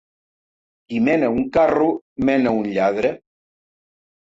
Qui mena un carro mena un lladre.